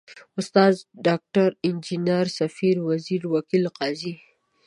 استاد، ډاکټر، انجنیر، ، سفیر، وزیر، وکیل، قاضي ...